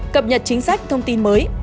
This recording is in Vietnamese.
cập nhật chính sách thông tin mới